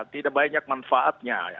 tidak banyak manfaatnya